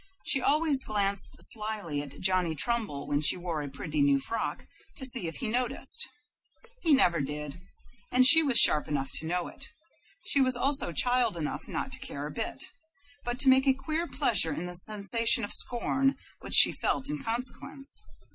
She always glanced slyly at Johnny Trumbull when she wore a pretty new frock, to see if he noticed. He never did, and she was sharp enough to know it. She was also child enough not to care a bit, but to take a queer pleasure in the sensation of scorn which she felt in consequence.